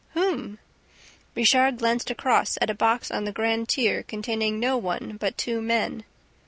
"Whom?" Richard glanced across at a box on the grand tier containing no one but two men.